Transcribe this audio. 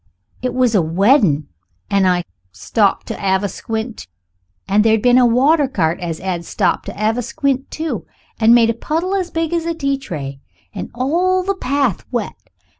It was a wedding, and I stopped to 'ave a squint, and there'd been a water cart as 'ad stopped to 'ave a squint too, and made a puddle as big as a tea tray, and all the path wet.